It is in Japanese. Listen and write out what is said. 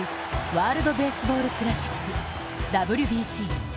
ワールドベースボールクラシック＝ＷＢＣ。